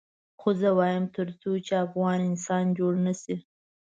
خو زه وایم تر څو چې افغان انسان جوړ نه شي.